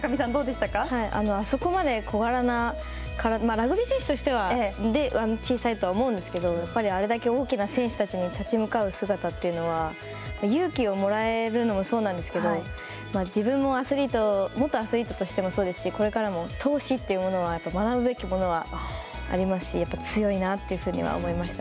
あそこまで小柄な、ラグビー選手としては、小さいとは思うんですけれども、やっぱりあれだけ大きな選手に立ち向かう姿というのは、勇気をもらえるのもそうなんですけども、自分もアスリート、元アスリートとしてもそうですし、これからも闘志というものは学ぶべきものはありますし、やっぱり強いなというふうには思いました